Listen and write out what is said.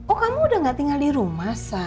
oh kamu udah nggak tinggal di rumah sa